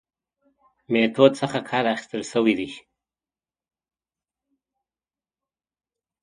میتود څخه کار اخستل شوی دی.